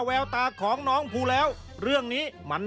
สุดท้ายของพ่อต้องรักมากกว่านี้ครับ